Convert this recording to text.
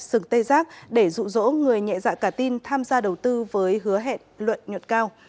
sừng tê giác để dụ dỗ người nhẹ dạ cả tin tham gia đầu tư với hứa hẹn luận nhuận cao